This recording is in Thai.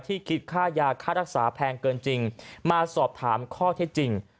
คิดค่ายาค่ารักษาแพงเกินจริงมาสอบถามข้อเท็จจริง